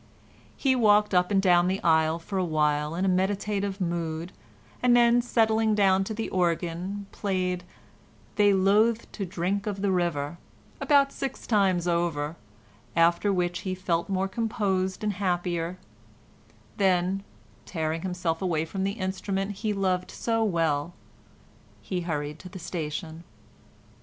He walked up and down the aisle for a while in a meditative mood, and then, settling down to the organ, played "They loathed to drink of the river" about six times over, after which he felt more composed and happier; then, tearing himself away from the instrument he loved so well, he hurried to the station.